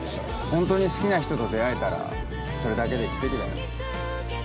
本当に好きな人と出会えたらそれだけで奇跡だよ